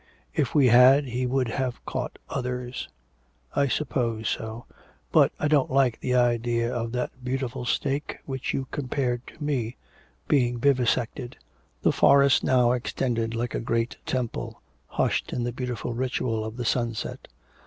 ... If we had, he would have caught others.' 'I suppose so. But I don't like the idea of that beautiful snake, which you compared to me, being vivisected.' The forest now extended like a great temple, hushed in the beautiful ritual of the sunset.